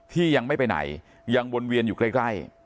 ที่ยังไม่ไปไหนยังวนเวียนอยู่ใกล้